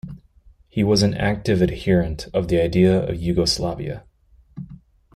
He was an active adherent of the idea of Yugoslavia.